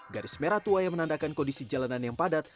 garis merah tua yang menandakan kondisi jalanan yang padat